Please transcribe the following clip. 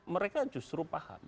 mereka justru paham